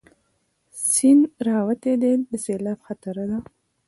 سيند راوتی دی، د سېلاب خطره ده